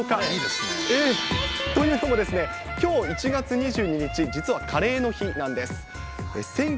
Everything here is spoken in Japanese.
いいですね。ということで、きょう１月２２日、実はカレーの日なんです。